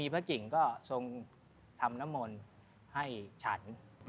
พระกิ่งก็ทรงทำน้ำมนต์ให้ฉัน